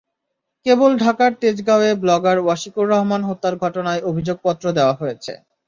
কেবল ঢাকার তেজগাঁওয়ে ব্লগার ওয়াশিকুর রহমান হত্যার ঘটনায় অভিযোগপত্র দেওয়া হয়েছে।